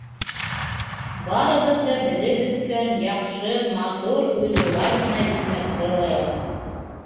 Барыбыҙ ҙа белеп бөткән, яҡшы, матур уйлылар ғына икмәккә лайыҡлы.